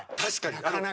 なかなか。